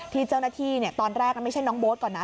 ที่เจ้าหน้าที่ตอนแรกไม่ใช่น้องโบ๊ทก่อนนะ